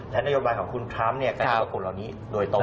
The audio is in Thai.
และนโยบายของคุณทรัมป์เนี่ยกลายเป็นกลุ่มเหล่านี้โดยตรงนะครับ